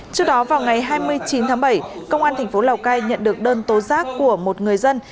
trước đó vào ngày hai mươi chín tháng bảy công an thành phố lào cai nhận được đơn tố giác của một người dân